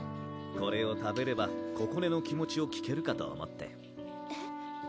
これを食べればここねの気持ちを聞けるかと思ってえっ？